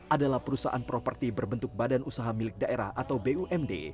adalah perusahaan properti berbentuk badan usaha milik daerah atau bumd